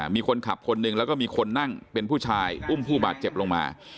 มีคนขับคนหนึ่งแล้วก็มีคนนั่งเป็นผู้ชายอุ้มผู้บาดเจ็บลงมา